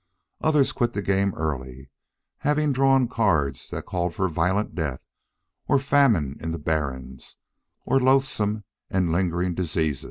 Others quit the game early, having drawn cards that called for violent death, or famine in the Barrens, or loathsome and lingering disease.